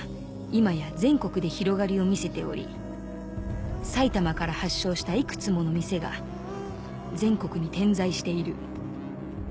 今や全国で広がりを見せており埼玉から発祥した幾つもの店が全国に点在している。